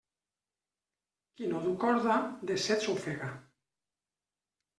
Qui no du corda, de set s'ofega.